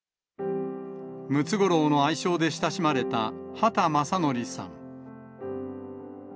ムツゴロウの愛称で親しまれた畑正憲さん。